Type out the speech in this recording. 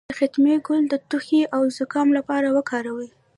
د ختمي ګل د ټوخي او زکام لپاره وکاروئ